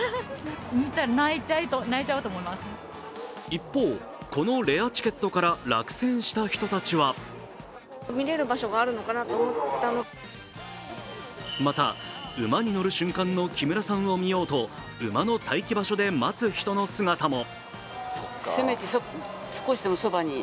一方、このレアチケットから落選した人たちはまた、馬に乗る瞬間の木村さんを見ようと馬の待機場所で待つ人の姿も。